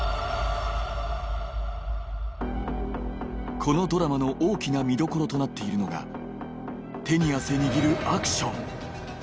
このドラマの大きな見どころとなっているのが手に汗握るアクション